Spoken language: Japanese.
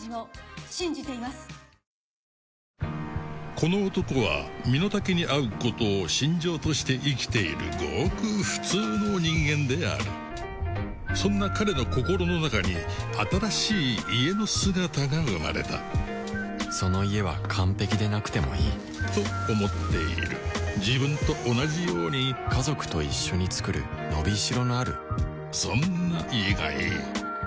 この男は身の丈に合うことを信条として生きているごく普通の人間であるそんな彼の心の中に新しい「家」の姿が生まれたその「家」は完璧でなくてもいいと思っている自分と同じように家族と一緒に作る伸び代のあるそんな「家」がいい家は生きる場所へ